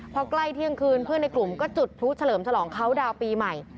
พอใกล้เที่ยงคืนเพื่อนในกลุ่มก็จุดพลุเฉลิมฉลองเขาดาวน์ปีใหม่